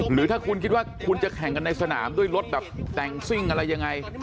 หรือถ้าคุณคิดว่าคุณจะแข่งกันในสนามด้วยรถแบบแต่งซิ่งอะไรยังไง